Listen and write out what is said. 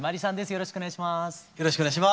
よろしくお願いします。